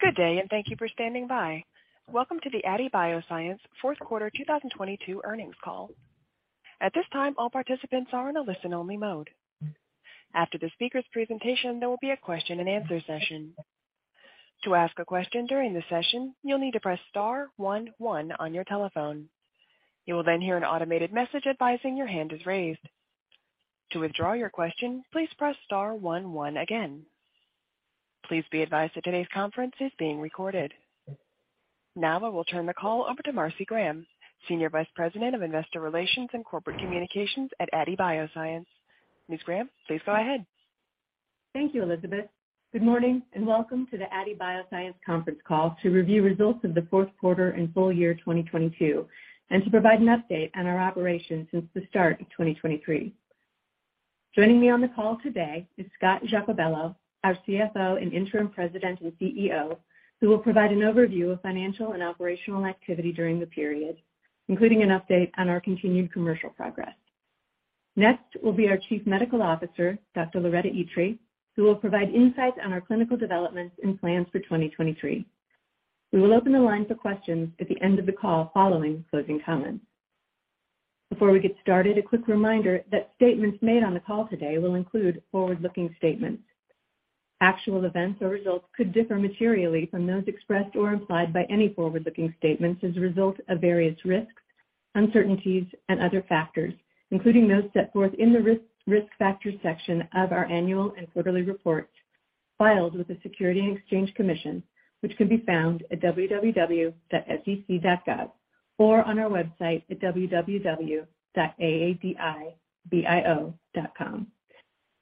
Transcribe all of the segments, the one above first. Good day, and thank you for standing by. Welcome to the Aadi Bioscience fourth quarter 2022 earnings call. At this time, all participants are in a listen-only mode. After the speaker's presentation, there will be a question-and-answer session. To ask a question during the session, you'll need to press star 11 on your telephone. You will then hear an automated message advising your hand is raised. To withdraw your question, please press star 11 again. Please be advised that today's conference is being recorded. I will turn the call over to Marcy Graham, Senior Vice President of Investor Relations and Corporate Communications at Aadi Bioscience. Ms. Graham, please go ahead. Thank you, Elizabeth. Good morning, welcome to the Aadi Bioscience conference call to review results of the fourth quarter and full year 2022 and to provide an update on our operations since the start of 2023. Joining me on the call today is Scott Giacobello, our CFO, and Interim President and CEO, who will provide an overview of financial and operational activity during the period, including an update on our continued commercial progress. Next will be our Chief Medical Officer, Dr. Loretta Itri, who will provide insights on our clinical developments and plans for 2023. We will open the line for questions at the end of the call following closing comments. Before we get started, a quick reminder that statements made on the call today will include forward-looking statements. Actual events or results could differ materially from those expressed or implied by any forward-looking statements as a result of various risks, uncertainties, and other factors, including those set forth in the risk factor section of our annual and quarterly reports filed with the Securities and Exchange Commission, which can be found at www.sec.gov or on our website at www.aadibio.com.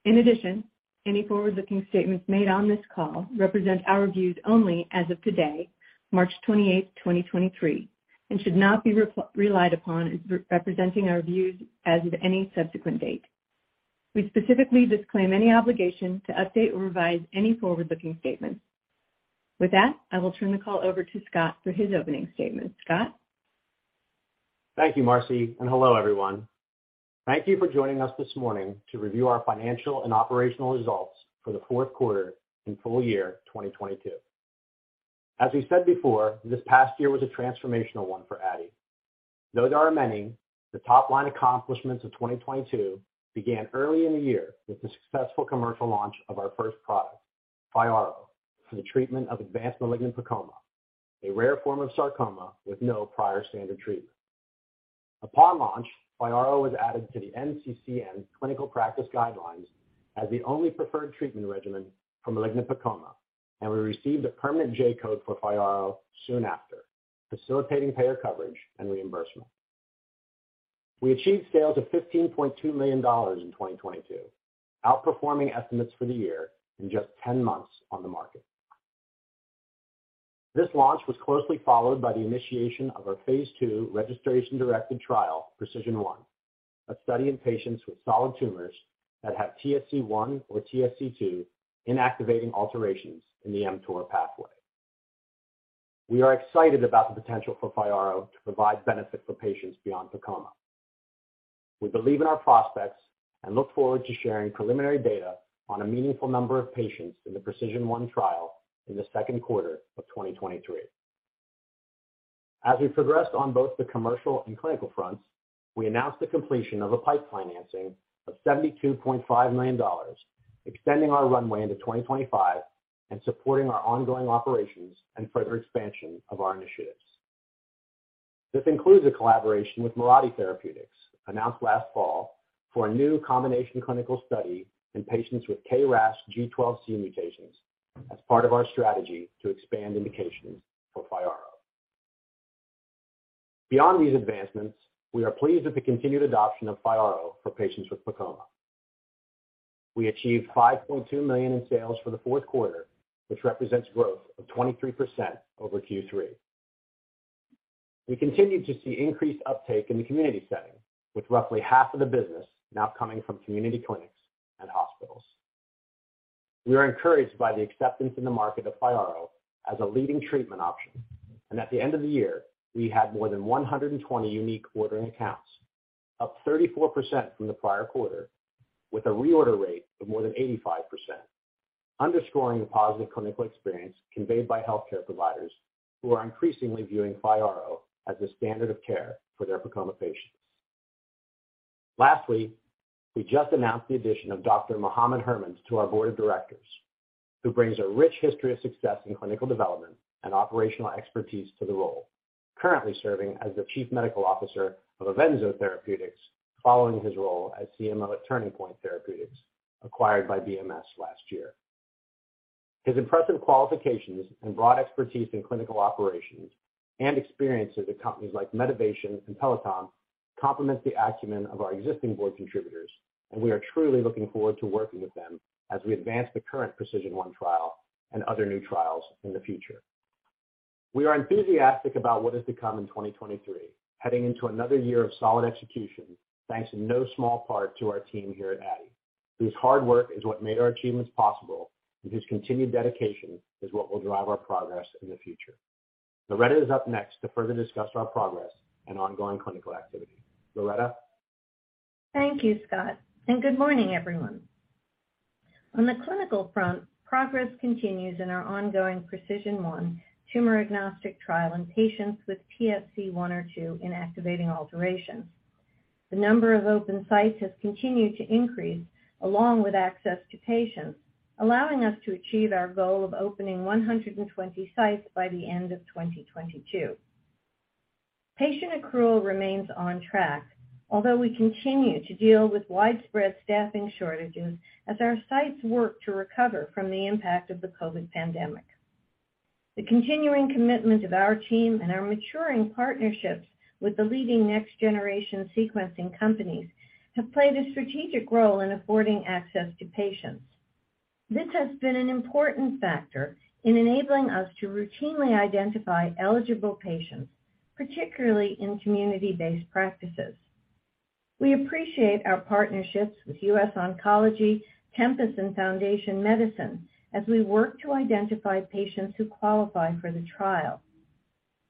In addition, any forward-looking statements made on this call represent our views only as of today, March 28, 2023, and should not be re-relied upon as representing our views as of any subsequent date. We specifically disclaim any obligation to update or revise any forward-looking statements. With that, I will turn the call over to Scott for his opening statement. Scott? Thank you, Marcy, and hello, everyone. Thank you for joining us this morning to review our financial and operational results for the fourth quarter and full year 2022. As we said before, this past year was a transformational one for Aadi. Though there are many, the top-line accomplishments of 2022 began early in the year with the successful commercial launch of our first product, FYARRO, for the treatment of advanced malignant PEComa, a rare form of sarcoma with no prior standard treatment. Upon launch, FYARRO was added to the NCCN clinical practice guidelines as the only preferred treatment regimen for malignant PEComa, and we received a permanent J-code for FYARRO soon after, facilitating payer coverage and reimbursement. We achieved sales of $15.2 million in 2022, outperforming estimates for the year in just 10 months on the market. This launch was closely followed by the initiation of our phase II registration-directed trial, PRECISION1, a study in patients with solid tumors that have TSC1 or TSC2 inactivating alterations in the mTOR pathway. We are excited about the potential for FYARRO to provide benefit for patients beyond PEComa. We believe in our prospects and look forward to sharing preliminary data on a meaningful number of patients in the PRECISION1 trial in the second quarter of 2023. We progressed on both the commercial and clinical fronts, we announced the completion of a PIPE financing of $72.5 million, extending our runway into 2025 and supporting our ongoing operations and further expansion of our initiatives. This includes a collaboration with Mirati Therapeutics announced last fall for a new combination clinical study in patients with KRAS G12C mutations as part of our strategy to expand indications for FYARRO. Beyond these advancements, we are pleased with the continued adoption of FYARRO for patients with PEComa. We achieved $5.2 million in sales for the fourth quarter, which represents growth of 23% over Q3. We continued to see increased uptake in the community setting with roughly half of the business now coming from community clinics and hospitals. We are encouraged by the acceptance in the market of FYARRO as a leading treatment option. At the end of the year, we had more than 120 unique ordering accounts, up 34% from the prior quarter with a reorder rate of more than 85%, underscoring the positive clinical experience conveyed by healthcare providers who are increasingly viewing FYARRO as the standard of care for their PEComa patients. Lastly, we just announced the addition of Dr. Mohamed Hermans to our board of directors, who brings a rich history of success in clinical development and operational expertise to the role, currently serving as the Chief Medical Officer of Avenzo Therapeutics following his role as CMO at Turning Point Therapeutics, acquired by BMS last year. His impressive qualifications and broad expertise in clinical operations and experience at the companies like Medivation and Peloton complements the acumen of our existing board contributors. We are truly looking forward to working with them as we advance the current PRECISION1 trial and other new trials in the future. We are enthusiastic about what is to come in 2023, heading into another year of solid execution, thanks in no small part to our team here at Aadi, whose hard work is what made our achievements possible and whose continued dedication is what will drive our progress in the future. Loretta is up next to further discuss our progress and ongoing clinical activity. Loretta? Thank you, Scott, and good morning, everyone. On the clinical front, progress continues in our ongoing PRECISION1 tumor-agnostic trial in patients with TSC1 or TSC2 inactivating alterations. The number of open sites has continued to increase along with access to patients, allowing us to achieve our goal of opening 120 sites by the end of 2022. Patient accrual remains on track, although we continue to deal with widespread staffing shortages as our sites work to recover from the impact of the COVID pandemic. The continuing commitment of our team and our maturing partnerships with the leading next-generation sequencing companies have played a strategic role in affording access to patients. This has been an important factor in enabling us to routinely identify eligible patients, particularly in community-based practices. We appreciate our partnerships with U.S. Oncology, Tempus and Foundation Medicine as we work to identify patients who qualify for the trial.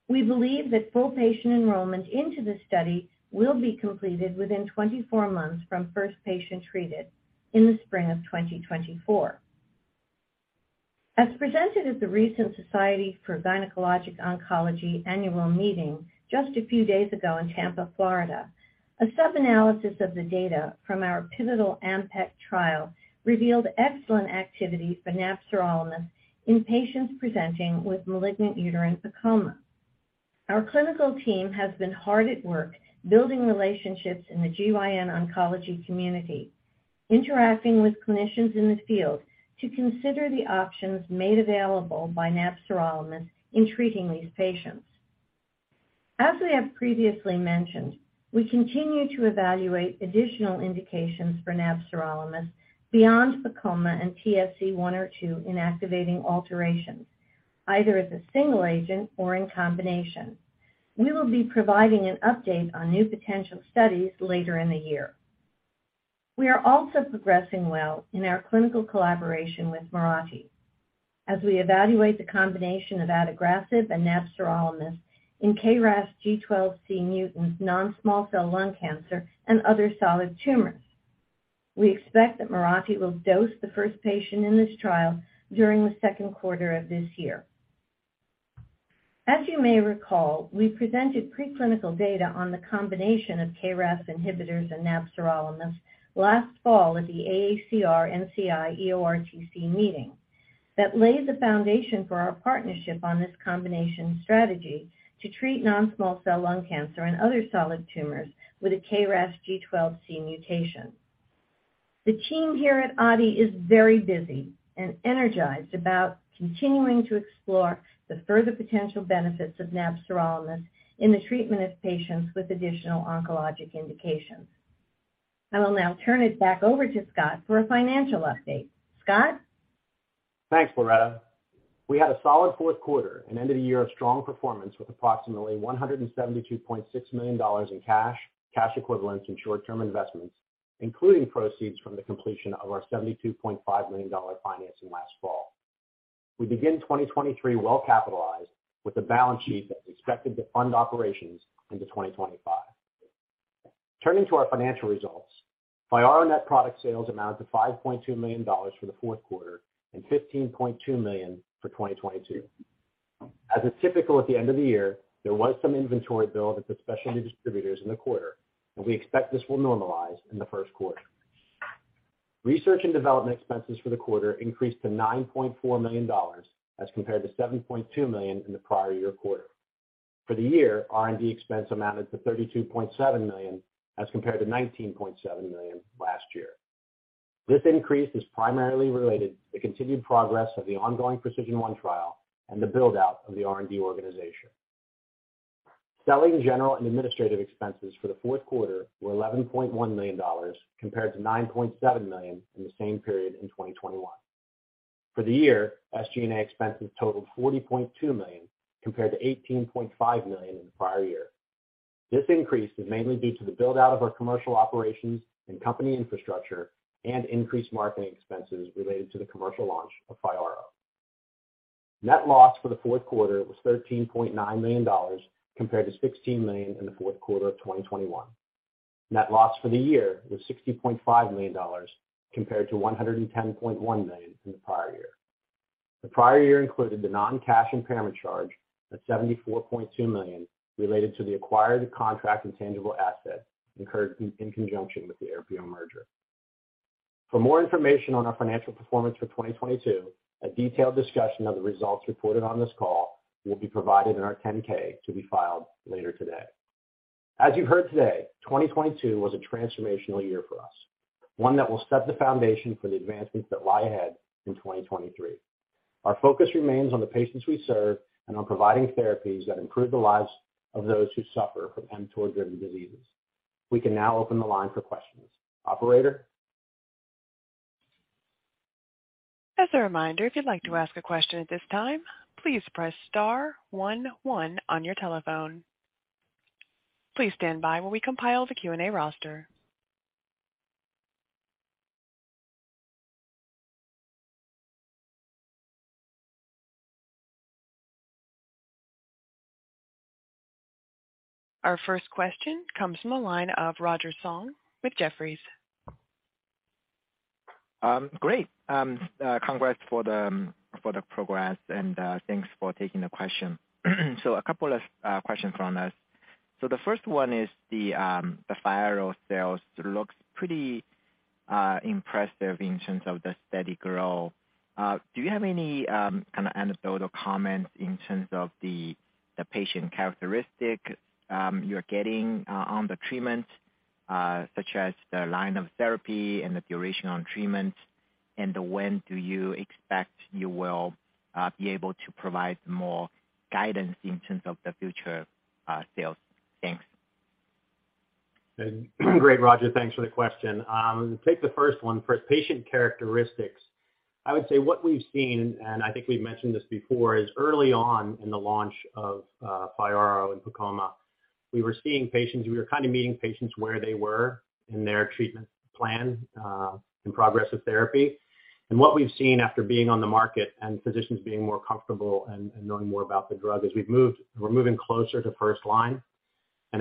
We believe that full patient enrollment into the study will be completed within 24 months from first patient treated in the spring of 2024. As presented at the recent Society of Gynecologic Oncology annual meeting just a few days ago in Tampa, Florida, a sub-analysis of the data from our pivotal AMPECT trial revealed excellent activity for nab-sirolimus in patients presenting with malignant uterine sarcoma. Our clinical team has been hard at work building relationships in the Gyn oncology community, interacting with clinicians in the field to consider the options made available by nab-sirolimus in treating these patients. As we have previously mentioned, we continue to evaluate additional indications for nab-sirolimus beyond sarcoma and TSC1 or TSC2 inactivating alterations, either as a single agent or in combination. We will be providing an update on new potential studies later in the year. We are also progressing well in our clinical collaboration with Mirati. We evaluate the combination of adagrasib and nab-sirolimus in KRAS G12C mutant non-small cell lung cancer and other solid tumors. We expect that Mirati will dose the first patient in this trial during the second quarter of this year. You may recall, we presented preclinical data on the combination of KRAS inhibitors and nab-sirolimus last fall at the AACR-NCI-EORTC meeting that laid the foundation for our partnership on this combination strategy to treat non-small cell lung cancer and other solid tumors with a KRAS G12C mutation. The team here at Aadi is very busy and energized about continuing to explore the further potential benefits of nab-sirolimus in the treatment of patients with additional oncologic indications. I will now turn it back over to Scott for a financial update. Scott? Thanks, Loretta. We had a solid fourth quarter and end of the year of strong performance with approximately $172.6 million in cash equivalents, and short-term investments, including proceeds from the completion of our $72.5 million financing last fall. We begin 2023 well capitalized with a balance sheet that's expected to fund operations into 2025. Turning to our financial results, FYARRO net product sales amounted to $5.2 million for the fourth quarter and $15.2 million for 2022. As is typical at the end of the year, there was some inventory build with the specialty distributors in the quarter, and we expect this will normalize in the first quarter. Research and development expenses for the quarter increased to $9.4 million as compared to $7.2 million in the prior year quarter. For the year, R&D expense amounted to $32.7 million as compared to $19.7 million last year. This increase is primarily related to the continued progress of the ongoing PRECISION1 trial and the build-out of the R&D organization. Selling general and administrative expenses for the fourth quarter were $11.1 million compared to $9.7 million in the same period in 2021. For the year, SG&A expenses totaled $40.2 million compared to $18.5 million in the prior year. This increase is mainly due to the build-out of our commercial operations and company infrastructure and increased marketing expenses related to the commercial launch of FYARRO. Net loss for the fourth quarter was $13.9 million compared to $16 million in the fourth quarter of 2021. Net loss for the year was $60.5 million compared to $110.1 million in the prior year. The prior year included the non-cash impairment charge of $74.2 million related to the acquired contract intangible asset incurred in conjunction with the RPO merger. For more information on our financial performance for 2022, a detailed discussion of the results reported on this call will be provided in our 10-K to be filed later today. As you heard today, 2022 was a transformational year for us, one that will set the foundation for the advancements that lie ahead in 2023. Our focus remains on the patients we serve and on providing therapies that improve the lives of those who suffer from mTOR-driven diseases. We can now open the line for questions. Operator? As a reminder, if you'd like to ask a question at this time, please press star one one on your telephone. Please stand by while we compile the Q&A roster. Our first question comes from the line of Roger Song with Jefferies. Great. Congrats for the, for the progress and thanks for taking the question. A couple of questions from us. The first one is the FYARRO sales. It looks pretty impressive in terms of the steady growth. Do you have any kind of anecdotal comments in terms of the patient characteristic you're getting on the treatment, such as the line of therapy and the duration on treatment, and when do you expect you will be able to provide more guidance in terms of the future sales? Thanks. Great, Roger. Thanks for the question. Take the first one. For patient characteristics, I would say what we've seen, and I think we've mentioned this before, is early on in the launch of FYARRO and PEComa, we were kind of meeting patients where they were in their treatment plan and progress of therapy. What we've seen after being on the market and physicians being more comfortable and knowing more about the drug is we're moving closer to first line.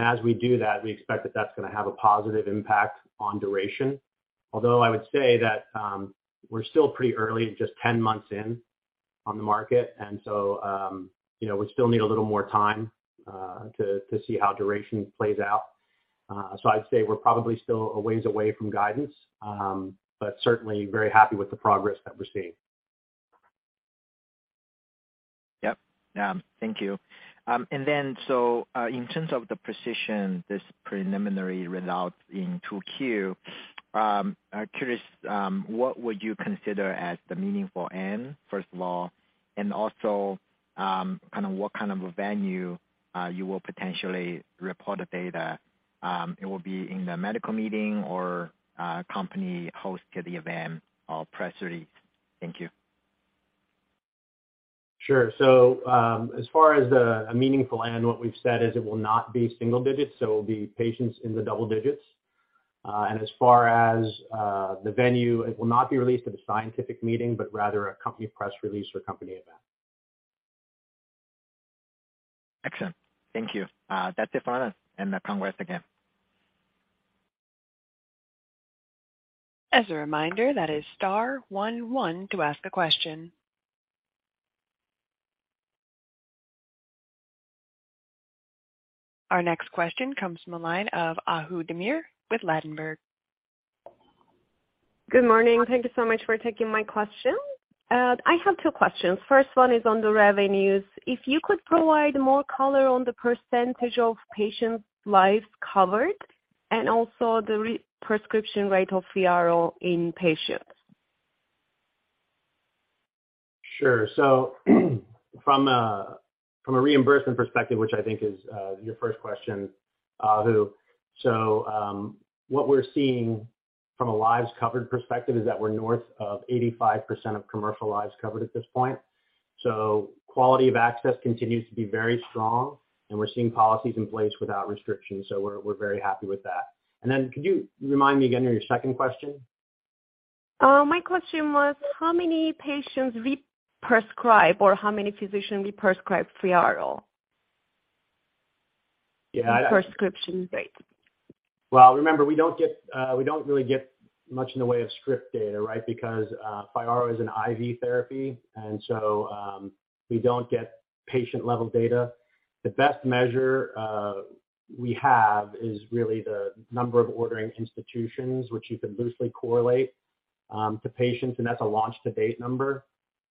As we do that, we expect that that's gonna have a positive impact on duration. Although I would say that we're still pretty early, just 10 months in on the market. You know, we still need a little more time to see how duration plays out. I'd say we're probably still a ways away from guidance, but certainly very happy with the progress that we're seeing. Yep. Thank you. In terms of the PRECISION1, this preliminary result in 2Q, I'm curious, what would you consider as the meaningful N, first of all, and also, kind of what kind of a venue, you will potentially report the data, it will be in the medical meeting or a company host to the event or press release? Thank you. Sure. As far as a meaningful N, what we've said is it will not be single digits, so it will be patients in the double digits. As far as the venue, it will not be released at a scientific meeting, but rather a company press release or company event. Excellent. Thank you. That's it from us. Congrats again. As a reminder, that is star one one to ask a question. Our next question comes from the line of Ahu Demir with Ladenburg. Good morning. Thank you so much for taking my question. I have two questions. First one is on the revenues. If you could provide more color on the percentage of patients' lives covered and also the prescription rate of FYARRO in patients. Sure. From, from a reimbursement perspective, which I think is your first question, Ahu. What we're seeing from a lives covered perspective is that we're north of 85% of commercial lives covered at this point. Quality of access continues to be very strong, and we're seeing policies in place without restrictions, so we're very happy with that. Could you remind me again of your second question? My question was how many patients re-prescribe or how many physicians re-prescribe FYARRO? Yeah. The prescription rate. Remember, we don't get, we don't really get much in the way of script data, right? FYARRO is an IV therapy, we don't get patient-level data. The best measure we have is really the number of ordering institutions which you can loosely correlate to patients, that's a launch to date number.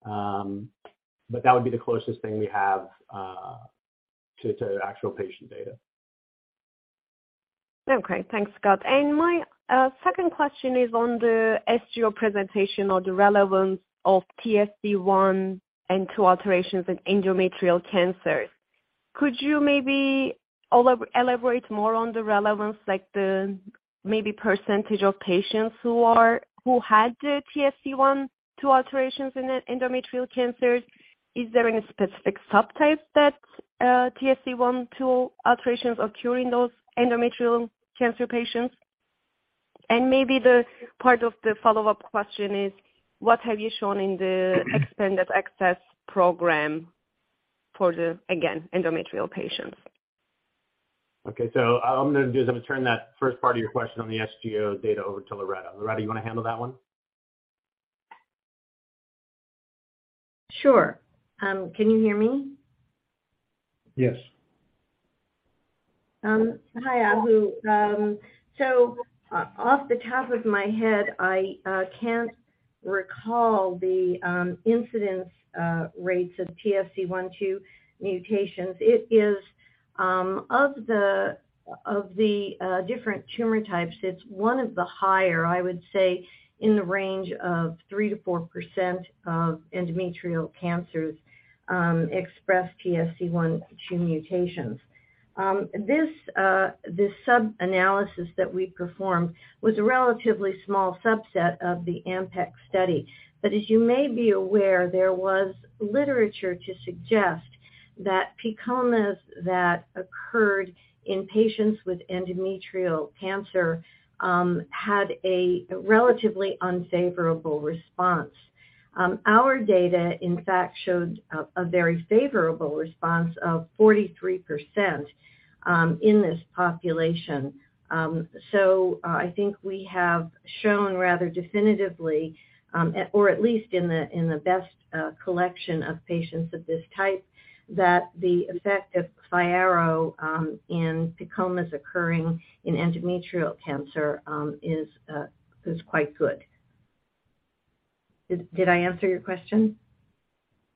That would be the closest thing we have to actual patient data. Okay. Thanks, Scott. My second question is on the SGO presentation or the relevance of TSC1 and TSC2 alterations in endometrial cancers. Could you maybe elaborate more on the relevance, like the maybe % of patients who had the TSC1, 2 alterations in the endometrial cancers? Is there any specific subtype that TSC1, 2 alterations occur in those endometrial cancer patients? Maybe the part of the follow-up question is what have you shown in the expanded access program for the, again, endometrial patients? Okay. I'm gonna do is I'm gonna turn that first part of your question on the SGO data over to Loretta. Loretta, you wanna handle that one? Sure. Can you hear me? Yes. Hi, Ahu. Off the top of my head, I can't recall the incidence rates of TSC1, TSC2 mutations. It is of the, of the different tumor types, it's one of the higher, I would say in the range of 3%-4% of endometrial cancers, express TSC1, TSC2 mutations. This sub-analysis that we performed was a relatively small subset of the AMPECT study. As you may be aware, there was literature to suggest That PEComas that occurred in patients with endometrial cancer, had a relatively unfavorable response. Our data, in fact, showed a very favorable response of 43% in this population. I think we have shown rather definitively, at or at least in the best collection of patients of this type, that the effect of FYARRO in PEComas occurring in endometrial cancer is quite good. Did I answer your question?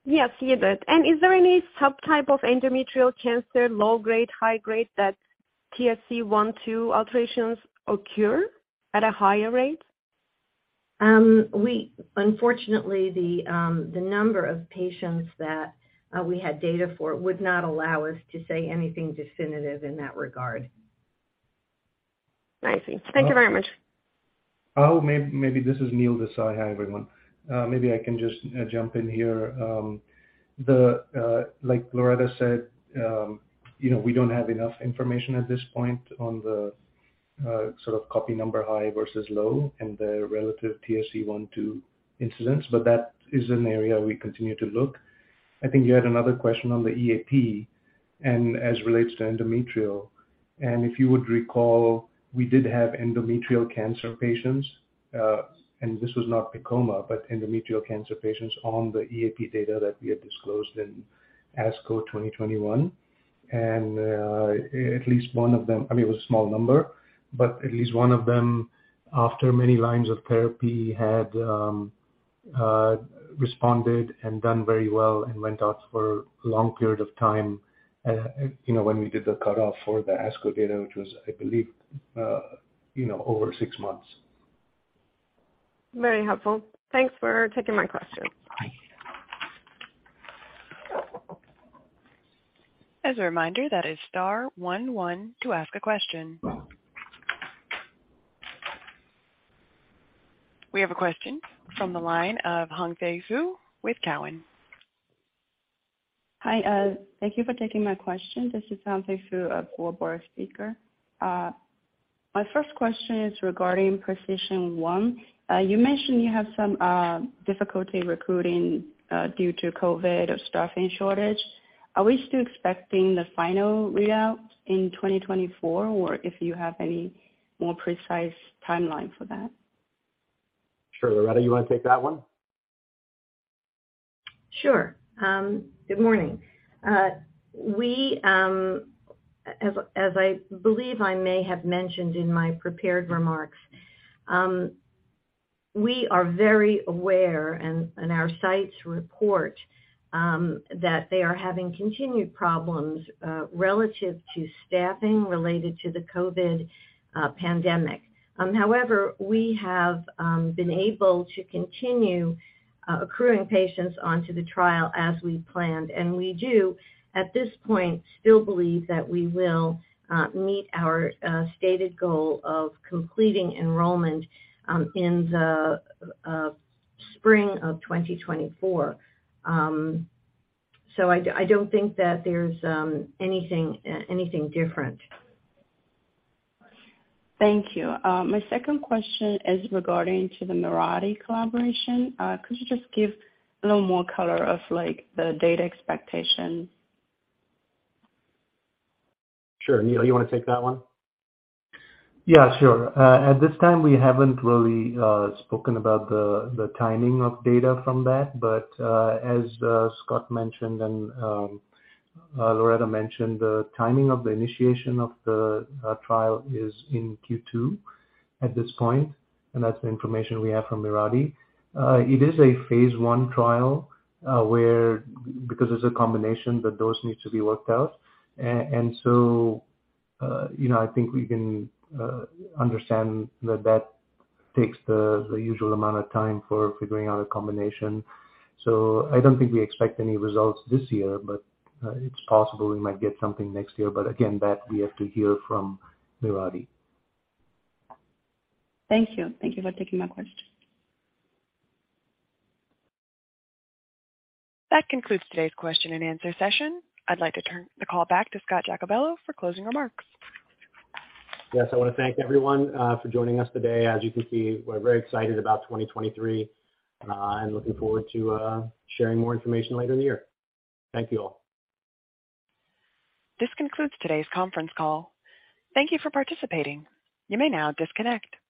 Yes, you did. Is there any subtype of endometrial cancer, low grade, high grade, that TSC1/TSC2 alterations occur at a higher rate? Unfortunately, the number of patients that we had data for would not allow us to say anything definitive in that regard. I see. Thank you very much. maybe this is Neil Desai. Hi, everyone. maybe I can just jump in here. The like Loretta said, you know, we don't have enough information at this point on the sort of copy number high versus low and the relative TSC1/TSC2 incidents, but that is an area we continue to look. I think you had another question on the EAP and as relates to endometrial. If you would recall, we did have endometrial cancer patients, and this was not PEComa, but endometrial cancer patients on the EAP data that we had disclosed in ASCO 2021. at least one of them... I mean, it was a small number, but at least one of them, after many lines of therapy, had responded and done very well and went out for a long period of time, you know, when we did the cutoff for the ASCO data, which was, I believe, you know, over six months. Very helpful. Thanks for taking my question. Bye. As a reminder, that is star one one to ask a question. We have a question from the line of Hangshi Yu with Cowen. Hi, thank you for taking my question. This is Hangshi Yu for Boris Peaker. My first question is regarding PRECISION1. You mentioned you have some difficulty recruiting due to COVID or staffing shortage. Are we still expecting the final readout in 2024, or if you have any more precise timeline for that? Sure. Loretta, you wanna take that one? Sure. Good morning. We, as I believe I may have mentioned in my prepared remarks, we are very aware and our sites report that they are having continued problems relative to staffing related to the COVID pandemic. However, we have been able to continue accruing patients onto the trial as we planned. We do, at this point, still believe that we will meet our stated goal of completing enrollment in the spring of 2024. I don't think that there's anything different. Thank you. My second question is regarding to the Mirati collaboration. Could you just give a little more color of, like, the data expectation? Sure. Neil, you wanna take that one? Yeah, sure. At this time, we haven't really spoken about the timing of data from that. As Scott mentioned and Loretta mentioned, the timing of the initiation of the trial is in Q2 at this point, and that's the information we have from Mirati. It is a phase I trial, where because it's a combination, the dose needs to be worked out. And so, you know, I think we can understand that that takes the usual amount of time for figuring out a combination. I don't think we expect any results this year, but it's possible we might get something next year. Again, that we have to hear from Mirati. Thank you. Thank you for taking my questions. That concludes today's question and answer session. I'd like to turn the call back to Scott Giacobello for closing remarks. Yes, I wanna thank everyone, for joining us today. As you can see, we're very excited about 2023, and looking forward to, sharing more information later in the year. Thank you all. This concludes today's conference call. Thank Thank you for participating. You may now disconnect.